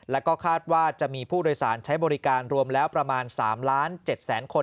แล้วก็คาดว่าจะมีผู้โดยสารใช้บริการรวมแล้วประมาณ๓ล้าน๗แสนคน